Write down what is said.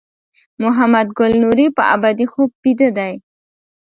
محمد ګل نوري په ابدي خوب بیده دی.